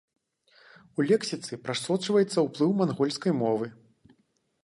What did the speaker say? У лексіцы прасочваецца ўплыў мангольскай мовы.